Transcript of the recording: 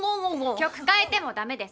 曲変えてもダメです！